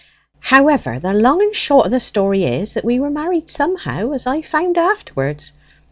However, the long and the short o' the story is that we were married somehow, as I found afterwards.